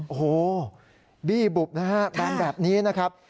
โอ้โฮบีบุบนะครับแบบนี้นะครับ